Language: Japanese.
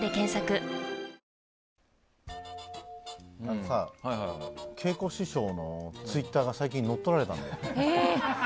あのさ桂子師匠のツイッターが最近のっとられたんだよ。